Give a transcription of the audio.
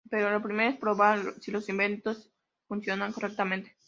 Pero lo primero es probar si los inventos funcionan correctamente.